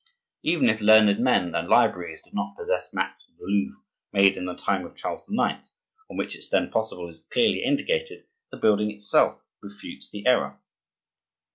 Even if learned men and libraries did not possess maps of the Louvre made in the time of Charles IX., on which its then position is clearly indicated, the building itself refutes the error.